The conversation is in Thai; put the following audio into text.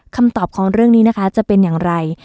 คำตอบของเรื่องนี้นะคะจะเป็นอย่างไร